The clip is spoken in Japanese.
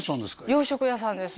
洋食屋さんです